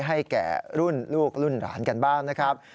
ให้แก่รุ่นลูกรุ่นหลานกันบ้างนะครับ